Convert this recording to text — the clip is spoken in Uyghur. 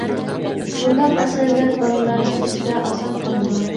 مۇنداق ئەسەرلەر بالىلارنىڭ ئېسىدە ئاسان قالىدۇ.